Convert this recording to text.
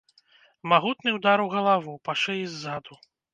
Магутны ўдар у галаву, па шыі ззаду.